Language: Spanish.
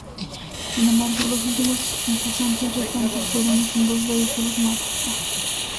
Sin embargo, los últimos concursantes restantes fueron con dos vehículos Mazda.